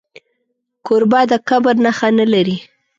کوربه د کبر نښه نه لري.